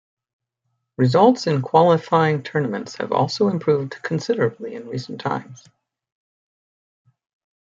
Results in qualifying tournaments have also improved considerably in recent times.